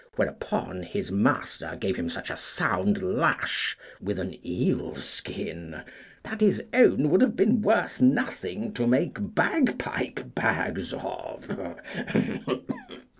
Whereupon his master gave him such a sound lash with an eel skin, that his own would have been worth nothing to make bag pipe bags of.